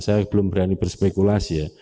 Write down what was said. saya belum berani berspekulasi ya